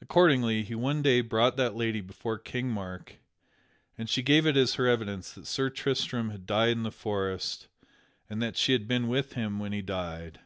Accordingly, he one day brought that lady before King Mark, and she gave it as her evidence that Sir Tristram had died in the forest and that she had been with him when he died.